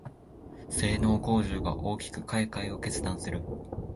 性能向上が大きくて買いかえを決断する